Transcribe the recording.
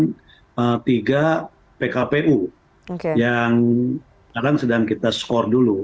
kemudian tiga pkpu yang sekarang sedang kita skor dulu